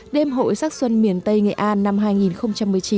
đêm hội sắc xuân miền tây nghệ an năm hai nghìn một mươi chín